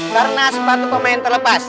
karena sebatu pemain terlepas